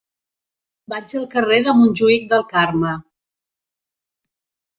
Vaig al carrer de Montjuïc del Carme.